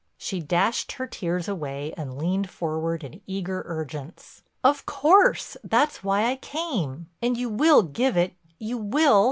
She dashed her tears away and leaned forward in eager urgence: "Of course—that's why I came. And you will give it—you will?